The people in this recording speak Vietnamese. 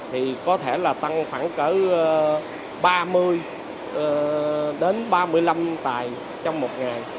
thì có thể là tăng khoảng cỡ ba mươi đến ba mươi năm tài trong một ngày